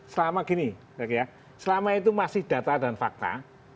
selama gini selama itu masih data dan fakta